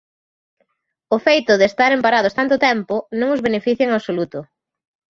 O feito de estaren parados tanto tempo non os beneficia en absoluto.